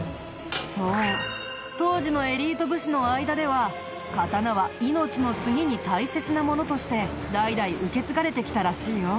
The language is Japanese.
そう当時のエリート武士の間では刀は命の次に大切なものとして代々受け継がれてきたらしいよ。